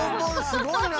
すごいな！